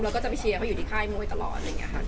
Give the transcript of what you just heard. แล้วก็จะไปเชียร์เขาอยู่ที่ค่ายม้วยตลอด